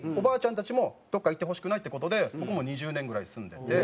たちもどっか行ってほしくないって事で僕も２０年ぐらい住んでて。